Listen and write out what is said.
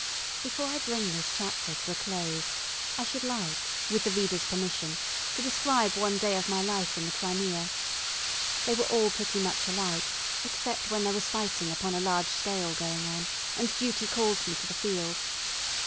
Before I bring this chapter to a close, I should like, with the reader's permission, to describe one day of my life in the Crimea. They were all pretty much alike, except when there was fighting upon a large scale going on, and duty called me to the field.